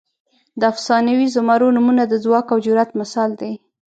د افسانوي زمرو نومونه د ځواک او جرئت مثال دي.